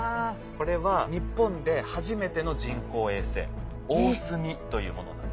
これは日本で初めての人工衛星「おおすみ」というものなんです。